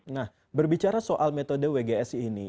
nah berbicara soal metode wgs ini